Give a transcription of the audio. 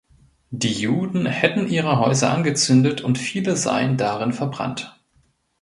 Die Juden hätten ihre Häuser angezündet und viele seien darin verbrannt.